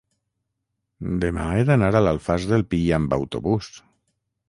Demà he d'anar a l'Alfàs del Pi amb autobús.